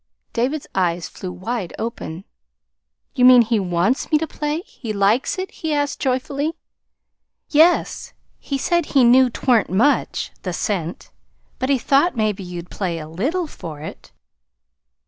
David's eyes flew wide open. "You mean he WANTS me to play? He likes it?" he asked joyfully. "Yes. He said he knew 't wa'n't much the cent. But he thought maybe you'd play a LITTLE for it."